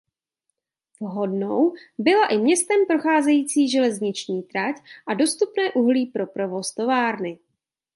Vhodnou byla i městem procházející železniční trať a dostupné uhlí pro provoz továrny.